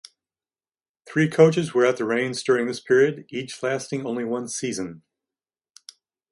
Three coaches were at the reins during this period, each lasting only one season.